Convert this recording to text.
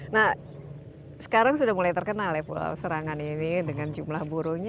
nah sekarang sudah mulai terkenal ya pulau serangan ini dengan jumlah burungnya